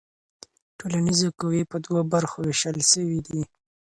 ټولنیزې قوې په دوو برخو ویشل سوي دي.